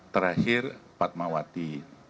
terakhir rumah sakit fatmawati